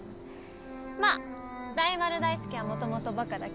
まっ大丸大助はもともとバカだけど